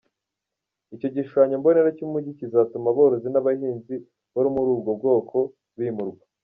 Icyo gishushanyo mbonera cy’umujyi kizatuma aborozi n’abahinzi bo muri ubwo bwoko bimurwa.